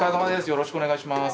よろしくお願いします。